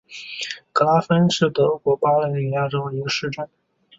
格拉芬是德国巴伐利亚州的一个市镇。